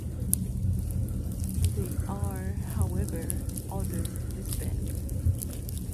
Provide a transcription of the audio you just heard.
They are, however, ordered to disband.